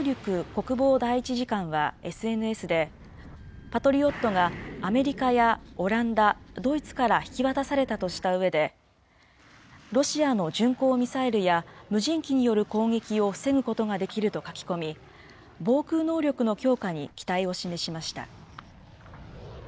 国防第１次官はＳＮＳで、パトリオットがアメリカやオランダ、ドイツから引き渡されたとしたうえで、ロシアの巡航ミサイルや無人機による攻撃を防ぐことができると書き込み、防空能力の強化に期待を示しました。